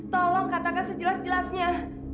tolong katakan sejelas jelasnya